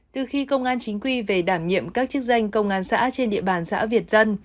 từ khi công an chính quy về đảm nhiệm các chức danh công an xã trên địa bàn xã việt dân